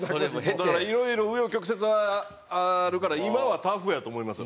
だからいろいろ紆余曲折あるから今はタフやと思いますよ。